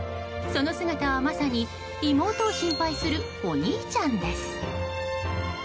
その姿はまさに妹を心配するお兄ちゃんです。